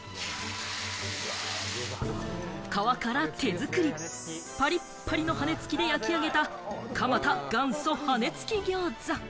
皮から手作り、パリパリの羽根つきで焼き上げた蒲田元祖羽根つき餃子。